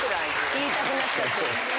言いたくなっちゃって。